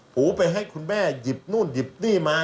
หูไปให้คุณแม่หยิบนู่นหยิบนี่มา